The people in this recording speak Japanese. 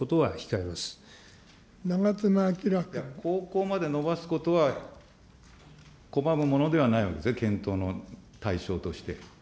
いや、高校までのばすことは拒むものではないわけですね、検討の対象として。